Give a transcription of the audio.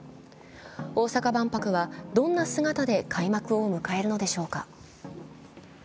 大阪万博はどんな姿で開幕を迎えるのでしょうか。